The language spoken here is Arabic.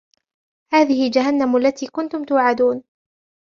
هَذِهِ جَهَنَّمُ الَّتِي كُنْتُمْ تُوعَدُونَ